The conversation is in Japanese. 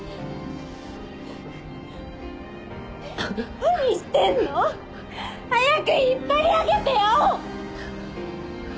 何してんの？早く引っ張り上げてよ！